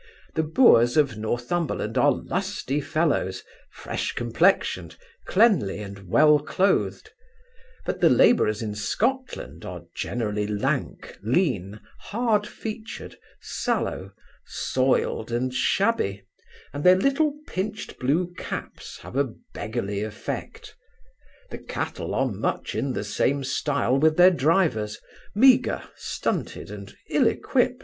The boors of Northumberland are lusty fellows, fresh complexioned, cleanly, and well cloathed; but the labourers in Scotland are generally lank, lean, hard featured, sallow, soiled, and shabby, and their little pinched blue caps have a beggarly effect. The cattle are much in the same stile with their drivers, meagre, stunted, and ill equipt.